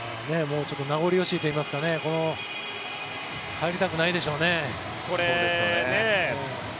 ちょっと名残惜しいといいますかね帰りたくないでしょうね。